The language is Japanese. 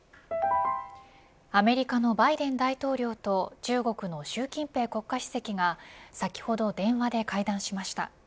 アメリカのバイデン大統領と中国の習近平国家主席が先ほど電話で会談しました。